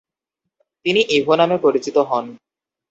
তিনি ইভো নামে পরিচিত হন।